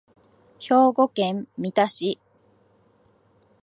兵庫県三田市